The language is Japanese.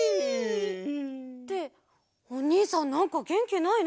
っておにいさんなんかげんきないね。